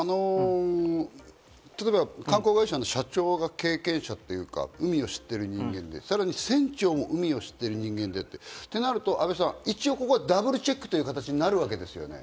例えば観光会社の社長が経験者というか、海を知ってる人間で、さらに船長も海を知っている人間で、となると安倍さん、ダブルチェックという形になるだけですね。